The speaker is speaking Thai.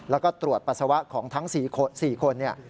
แล้วก็ตรวจปัสสาวะของทั้ง๔คน